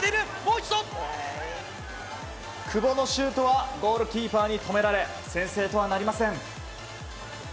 久保のシュートはゴールキーパーに止められ先制とはなりません。